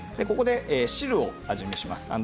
ここで、汁を味見します。